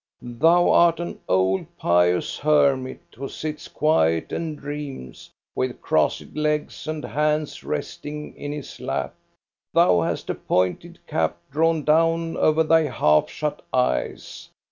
Thou art an old, pious hermit, who sits quiet and dreams, with crossed legs and hands resting in his lap. Thou hast a pointed cap drawn down over thy half shut eyes.